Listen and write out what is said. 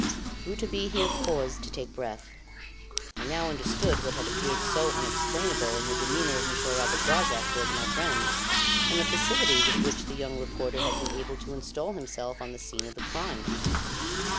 '" Rouletabille here paused to take breath. I now understood what had appeared so unexplainable in the demeanour of Monsieur Robert Darzac towards my friend, and the facility with which the young reporter had been able to install himself on the scene of the crime.